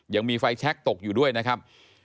ยังมีไฟแชคตกอยู่ด้วยนะครับ